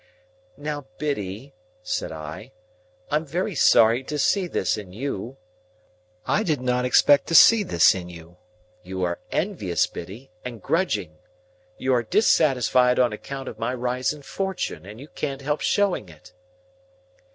"Now, Biddy," said I, "I am very sorry to see this in you. I did not expect to see this in you. You are envious, Biddy, and grudging. You are dissatisfied on account of my rise in fortune, and you can't help showing it."